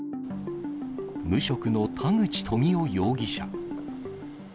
無職の田口富夫容疑者。